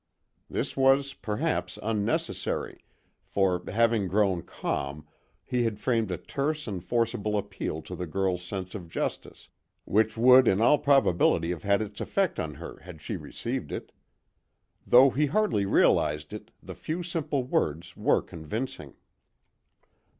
This was, perhaps, unnecessary, for, having grown calm, he had framed a terse and forcible appeal to the girl's sense of justice, which would in all probability have had its effect on her had she received it. Though he hardly realised it, the few simple words were convincing.